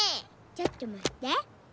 ちょっとまって。